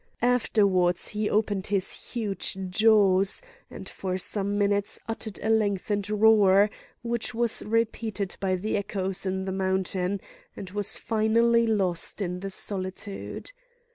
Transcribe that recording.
Afterwards he opened his huge jaws, and for some minutes uttered a lengthened roar which was repeated by the echoes in the mountain, and was finally lost in the solitude.